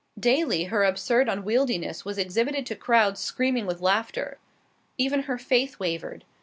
Daily her absurd unwieldiness was exhibited to crowds screaming with laughter. Even her faith wavered.